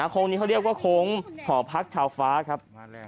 โค้งนี้เขาเรียกว่าโค้งหอพักชาวฟ้าครับ